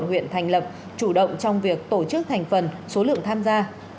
huyện thành lập chủ động trong việc tổ chức thành phần số lượng tham gia